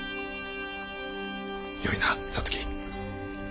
よいな皐月。